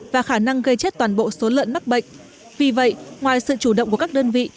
và khả năng gây chết toàn bộ số lợn mắc bệnh vì vậy ngoài sự chủ động của các đơn vị